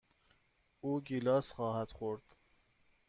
او گیلاس خواهد خورد.